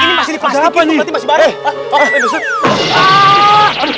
masih di plastik itu